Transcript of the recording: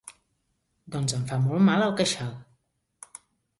Doncs em fa molt mal el queixal.